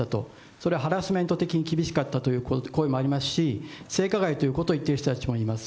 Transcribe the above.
それはハラスメント的に厳しかったという声もありますし、性加害ということを言っている人たちもいます。